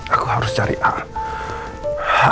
aku harus cari alat